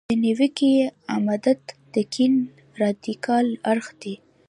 دا نیوکې عمدتاً د کیڼ رادیکال اړخ دي.